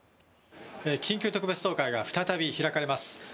緊急特別総会が再び開かれます。